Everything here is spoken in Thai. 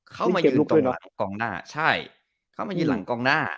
เขามายืนตรงหลังกลางหน้า